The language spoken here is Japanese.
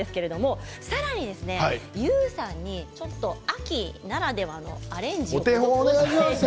さらに、悠さんにちょっと秋ならではのアレンジを。